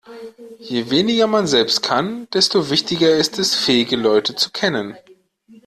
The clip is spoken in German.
Je weniger man selbst kann, desto wichtiger ist es, fähige Leute zu kennen.